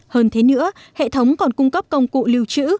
hơn thế nữa hệ thống còn cung cấp công cụ lưu trữ